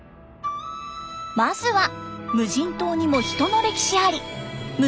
まずは無人島にも人の歴史あり。